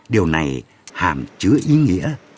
điều này hàm chứa ý nghĩa